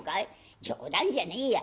「冗談じゃねえや。